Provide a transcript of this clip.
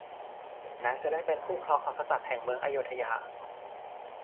นางจะได้เป็นคู่ครองของกษัตริย์แห่งเมืองอโยธยา